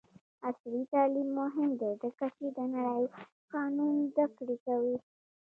عصري تعلیم مهم دی ځکه چې د نړیوال قانون زدکړه کوي.